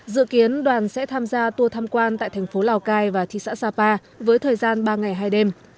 dự kiến đoàn sẽ tham gia tour tham quan tại thành phố lào cai và thị xã sapa với thời gian ba ngày hai đêm